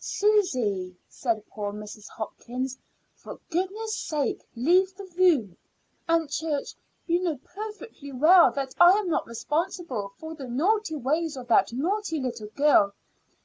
"Susy," said poor Mrs. Hopkins, "for goodness' sake, leave the room. Aunt Church, you know perfectly well that I am not responsible for the naughty ways of that naughty little girl.